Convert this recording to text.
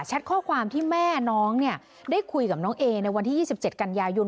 ข้อความที่แม่น้องเนี่ยได้คุยกับน้องเอในวันที่๒๗กันยายน